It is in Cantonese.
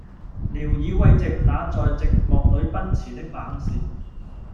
聊以慰藉那在寂寞裏奔馳的猛士，